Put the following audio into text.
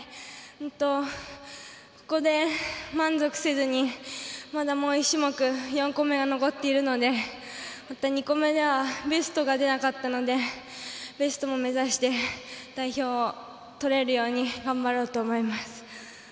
ここで満足せずに、まだ、もう一種目４個メが残っているのでまた２個メではベストが出なかったのでベストも目指して代表を取れるように頑張ろうと思います。